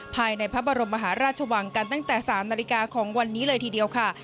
ภายในพระบรมมหาราชวังกันตั้งแต่๓นาฬิกาของวันนี้เลยทีเดียวค่ะ